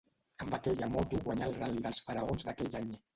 Amb aquella moto guanyà el Ral·li dels Faraons d'aquell any.